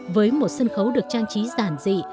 với một sân khấu được trang trí giản dị